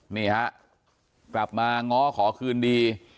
นี่ฮะกลับมาง้อขอคืนดี